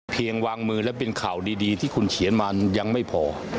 วางมือและเป็นข่าวดีที่คุณเขียนมายังไม่พอ